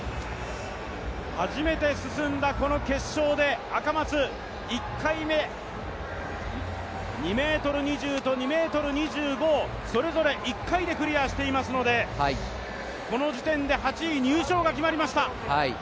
初めて進んだ決勝で、赤松、１回目、２ｍ２０と２ｍ２５をそれぞれ１回でクリアしていますのでこの時点で８位入賞が決まりました